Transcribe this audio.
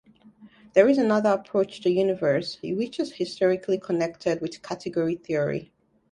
There is another approach to universes which is historically connected with category theory.